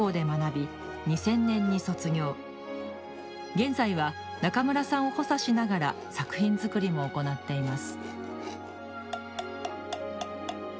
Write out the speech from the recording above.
現在は中村さんを補佐しながら作品作りも行っています